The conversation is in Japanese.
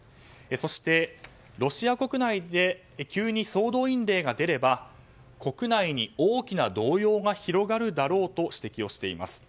そして、ロシア国内で急に総動員令が出れば国内に大きな動揺が広がるだろうと指摘をしています。